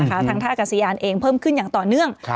ทางท่ากัศยานเองเพิ่มขึ้นอย่างต่อเนื่อง